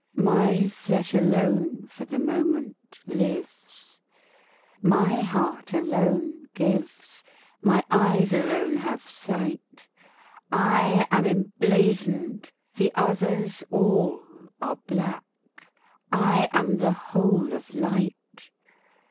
My flesh alone, for the moment, lives, my heart alone gives, my eyes alone have sight. I am emblazoned, the others, all, are black. I am the whole of light!